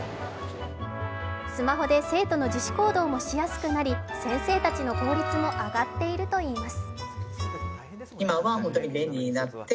スマホで生徒の自主行動もしやすくなり、先生たちの効率も上がっているということです。